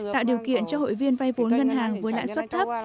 tạo điều kiện cho hội viên vai vốn ngân hàng với lãi xuất thấp